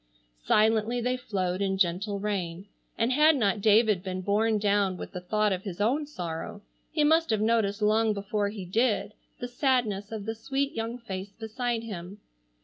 Silently they flowed in gentle rain, and had not David been borne down with the thought of his own sorrow he must have noticed long before he did the sadness of the sweet young face beside him.